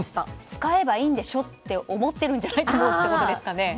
使えばいいんでしょ？って思っているんじゃないかということですかね。